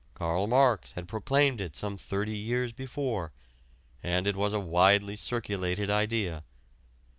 Karl Marx had proclaimed it some thirty years before, and it was a widely circulated idea.